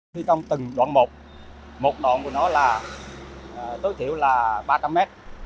thì trong từng đoạn một một đoạn của nó là tối thiểu là ba trăm linh m